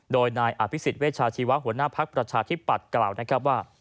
โดยนายอภิษฎเวชาชีวะหัวหน้าภักดิ์ประชาธิปัตย์กล่าวนะครับว่า